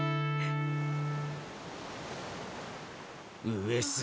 上杉